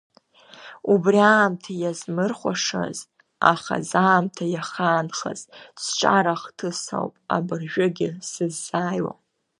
Убри аамҭа иазмырхәашаз, ахаз аамҭа иахаанхаз сҿара ахҭыс ауп абыржәыгьы сыззааиуа.